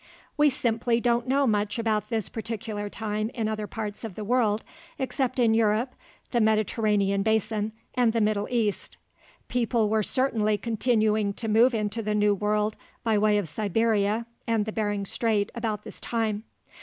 We simply don't know much about this particular time in other parts of the world except in Europe, the Mediterranean basin and the Middle East. People were certainly continuing to move into the New World by way of Siberia and the Bering Strait about this time.